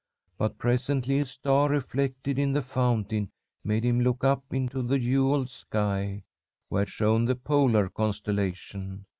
But presently a star reflected in the fountain made him look up into the jewelled sky, where shone the polar constellation.